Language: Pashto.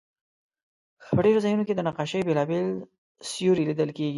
په ډېرو ځایونو کې د نقاشۍ بېلابېل سیوري لیدل کېدل.